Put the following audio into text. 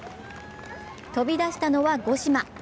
飛び出したのは五島。